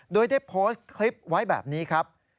โดยได้โพสต์คลิปไว้แบบนี้ครับ